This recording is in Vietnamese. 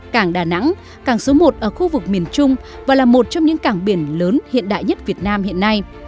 cảng đà nẵng cảng số một ở khu vực miền trung và là một trong những cảng biển lớn hiện đại nhất việt nam hiện nay